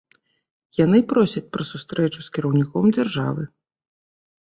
Яны просяць пра сустрэчу з кіраўніком дзяржавы.